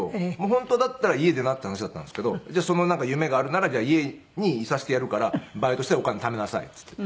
本当だったら家出なって話だったんですけどその夢があるなら家にいさせてやるからバイトしてお金ためなさいって言って。